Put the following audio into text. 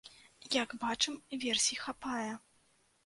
Як бачым, версій хапае.